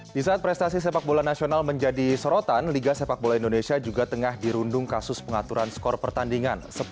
di saat prestasi sepak bola nasional menjadi sorotan liga sepak bola indonesia juga tengah dirundung kasus pengaturan skor pertandingan